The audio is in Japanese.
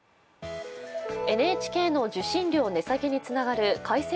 ＮＨＫの受信料値下げにつながる改正